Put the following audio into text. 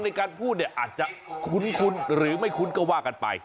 ในการพูดเนี่ยอาจจะคุ้นหรือไม่คุ้นก็ว่ากันไป